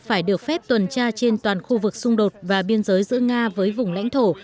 phải được phép tuần tra trên toàn khu vực xung đột và biên giới giữa nga với vùng lãnh thổ